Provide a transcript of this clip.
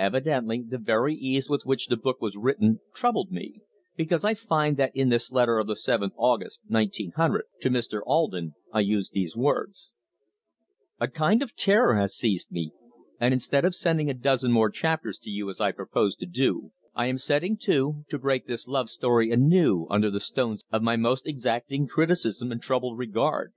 Evidently, the very ease with which the book was written troubled me, because I find that in this letter of the 7th August, 1900, to Mr. Alden, I used these words: "A kind of terror has seized me, and instead of sending a dozen more chapters to you as I proposed to do, I am setting to to break this love story anew under the stones of my most exacting criticism and troubled regard.